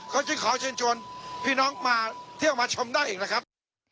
เขาจึงขอเชิญชวนพี่น้องมาเที่ยวมาชมได้อีกนะครับ